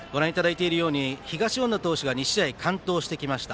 東恩納投手が２試合完投してきました。